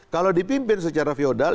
kalau dipimpin secara feodal